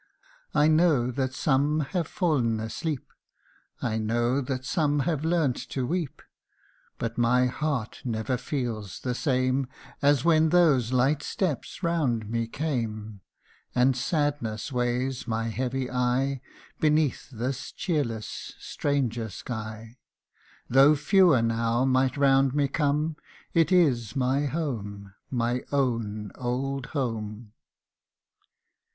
I know that some have falFn asleep I know that some have learnt to weep But my heart never feels the same As when those light steps round me came And sadness weighs my heavy eye Beneath this cheerless stranger sky : Tho 1 fewer now might round me come It is my home my own old home